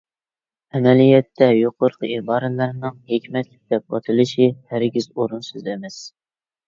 ئەمەلىيەتتە، يۇقىرىقى ئىبارىلەرنىڭ ھېكمەتلىك دەپ ئاتىلىشى ھەرگىز ئورۇنسىز ئەمەس.